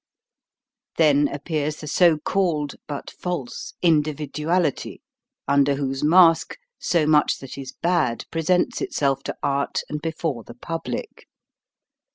Then ap pears the so called (but false) "individual ity," under whose mask so much that is bad presents itself to art and before the public.